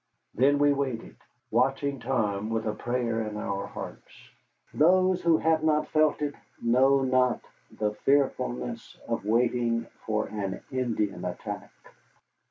Then we waited, watching Tom with a prayer in our hearts. Those who have not felt it know not the fearfulness of waiting for an Indian attack.